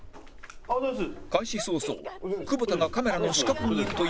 ありがとうございます。